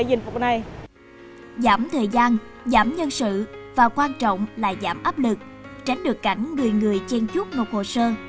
giảm nhân sự và quan trọng là giảm áp lực tránh được cảnh người người chen chút ngọc hồ sơ